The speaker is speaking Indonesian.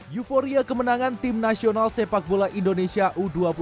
euforia kemenangan tim nasional sepak bola indonesia u dua puluh dua